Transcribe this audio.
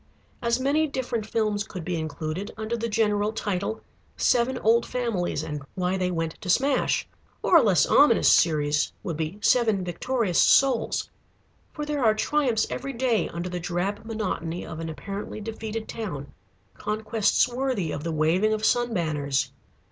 As many different films could be included under the general title: "Seven Old Families, and Why they Went to Smash." Or a less ominous series would be "Seven Victorious Souls." For there are triumphs every day under the drab monotony of an apparently defeated town: conquests worthy of the waving of sun banners.